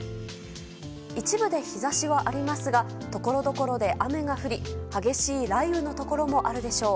一部で日差しはありますがところどころで雨が降り激しい雷雨のところもあるでしょう。